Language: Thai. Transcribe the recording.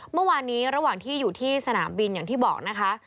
เมื่อวานนี้ระหว่างที่อยู่ที่สนามบินอย่างที่บอกนะคะ